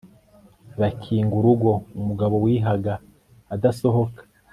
bakinga urugo umugabo wihaga adasohoka